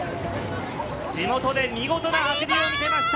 地元で見事な走りを見せました。